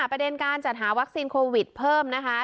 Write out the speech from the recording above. ประเด็นการจัดหาวัคซีนโควิดเพิ่มนะคะ